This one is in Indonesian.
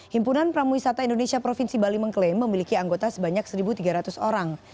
himpunan pramu wisata indonesia provinsi bali mengklaim memiliki anggota sebanyak satu tiga ratus orang